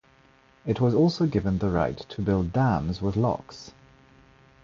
It was also given the right to build dams with locks.